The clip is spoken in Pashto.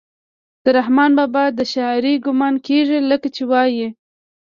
د رحمان بابا د شاعرۍ ګمان کيږي لکه چې وائي: